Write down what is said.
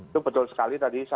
itu betul sekali tadi